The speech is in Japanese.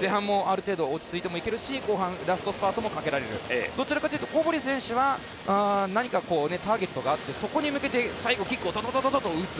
前半もある程度落ち着いていけるし後半ラストスパートでもいけるしどちらかというと小堀選手は何かターゲットがあってそこに向けて、キックをドドドドッと打つ。